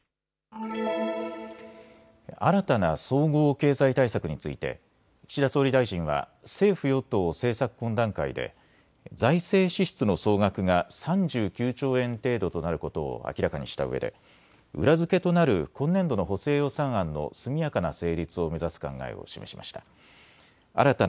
新たな総合経済対策について岸田総理大臣は政府与党政策懇談会で財政支出の総額が３９兆円程度となることを明らかにしたうえで裏付けとなる今年度の補正予算案の速やかな成立を目指す考えを示しました。